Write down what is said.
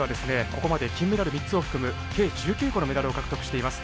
ここまで金メダル３つを含む計１９個のメダルを獲得しています。